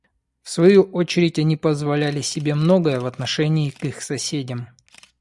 В свою очередь они позволяли себе многое в отношении к их соседям.